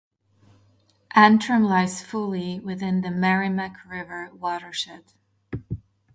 Antrim lies fully within the Merrimack River watershed.